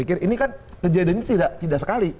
ini kan kejadiannya tidak sekali